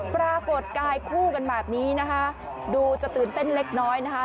ปรากฏกายคู่กันแบบนี้นะคะดูจะตื่นเต้นเล็กน้อยนะคะ